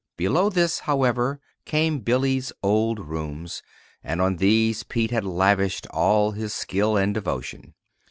Below this, however, came Billy's old rooms, and on these Pete had lavished all his skill and devotion.